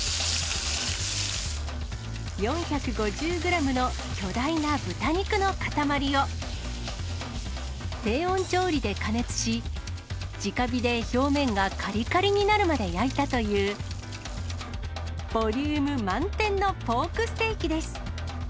４５０グラムの巨大な豚肉の塊を、低温調理で加熱し、じか火で表面がかりかりになるまで焼いたという、ボリューム満点のポークステーキです。